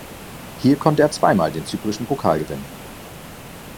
Hier konnte er zweimal den zyprischen Pokal gewinnen.